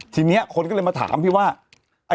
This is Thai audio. แต่อาจจะส่งมาแต่อาจจะส่งมา